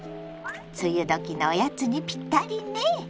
梅雨時のおやつにぴったりね。